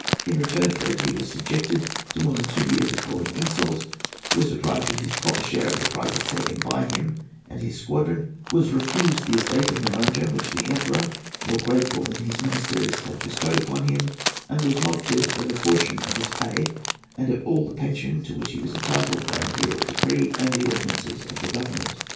In return for it he was subjected to more than two years of galling insult, was deprived of his proper share of the prizes taken by him and his squadron, was refused the estate in Maranham which the Emperor, more grateful than his ministers, had bestowed upon him, and was mulcted of a portion of his pay and of all the pension to which he was entitled by imperial decree and the ordinances of the Government.